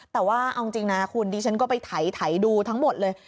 แต่ว่าเอาจริงนะคุณดิฉันก็ไปไถดูทั้งหมดเลย